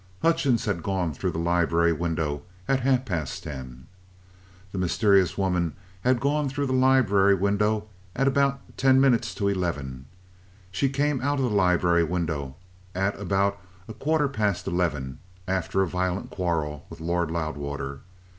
Hutchings had gone through the library window at half past ten. The mysterious woman had gone through the library window at about ten minutes to eleven. She came out of the library window at about a quarter past eleven after a violent quarrel with Lord Loudwater.